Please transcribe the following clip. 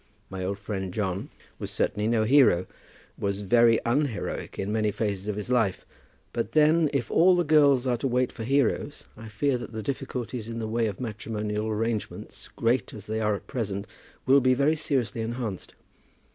My old friend John was certainly no hero, was very unheroic in many phases of his life; but then, if all the girls are to wait for heroes, I fear that the difficulties in the way of matrimonial arrangements, great as they are at present, will be very seriously enhanced.